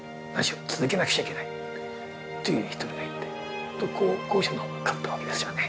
続けなくちゃいけない！」と言う一人がいて後者のほうが勝ったわけですよね。